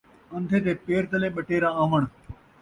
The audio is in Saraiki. ان٘دھے دے پیر تلے ٻٹیرا آوݨ